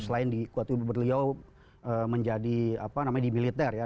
selain di kuat ibu beliau menjadi apa namanya di militer ya